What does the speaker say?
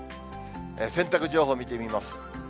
洗濯情報を見てみます。